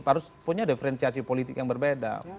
harus punya diferensiasi politik yang berbeda